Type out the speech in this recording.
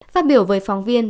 phát biểu với phóng viên